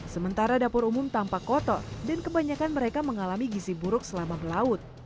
sementara dapur umum tampak kotor dan kebanyakan mereka mengalami gisi buruk selama berlaut